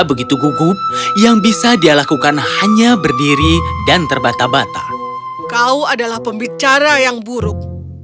begitu gugup yang bisa dia lakukan hanya berdiri dan terbata bata kau adalah pembicara yang buruk